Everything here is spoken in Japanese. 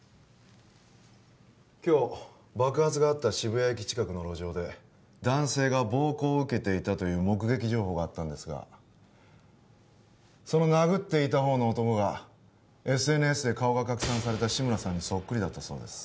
今日爆発があった渋谷駅近くの路上で男性が暴行を受けていたという目撃情報があったんですがその殴っていたほうの男がＳＮＳで顔が拡散された志村さんにそっくりだったそうです